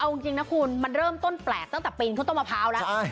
เอาจริงนะคุณมันเริ่มต้นแปลกตั้งแต่ปีนเข้าต้นมะพร้าวแล้ว